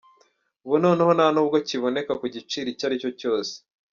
Ubu noneho nta n’ubwo kiboneka ku giciro icyo aricyo cyose !